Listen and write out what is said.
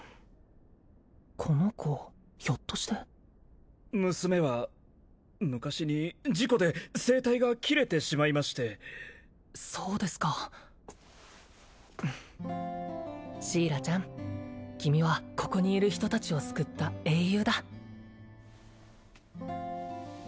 この子ひょっとして娘は昔に事故で声帯が切れてしまいましてそうですかシーラちゃん君はここにいる人達を救った英雄だ